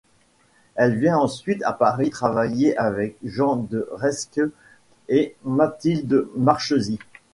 Elle vient ensuite à Paris travailler avec Jean de Reszke et Mathilde Marchesi.